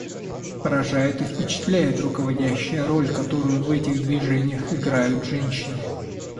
Поражает и впечатляет руководящая роль, которую в этих движениях играют женщины.